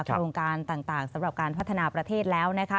โครงการต่างสำหรับการพัฒนาประเทศแล้วนะคะ